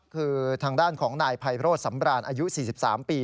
คือทางด้านของนายไพโรธสำราญอายุ๔๓ปี